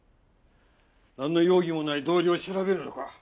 なんの容疑もない同僚を調べるのか？